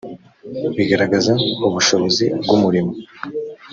bigaragaza ubushobozi bw umurimo